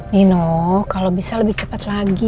nino kalau bisa lebih cepat lagi